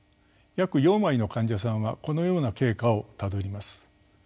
約４割の患者さんはこのような経過をたどります。